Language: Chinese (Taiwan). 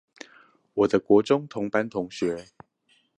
我的國中同班同學